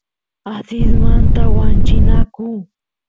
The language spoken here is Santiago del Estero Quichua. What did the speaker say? asismanta wanchinaku